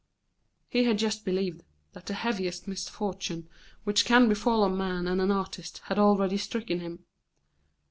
He had just believed that the heaviest misfortune which can befall a man and an artist had already stricken him.